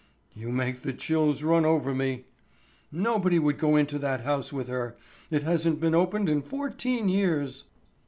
"You make the chills run over me." "Nobody would go into that house with her. It hasn't been opened in fourteen years."